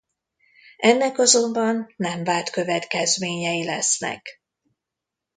Ennek azonban nem várt következményei lesznek.